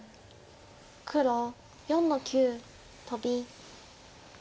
黒４の九トビ。